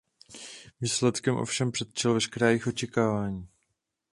Výsledek ovšem předčil veškerá jejich očekávání.